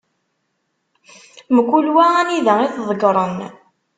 Mkul wa anida i t-ḍegren.